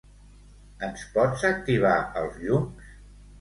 Ens pots activar els llums?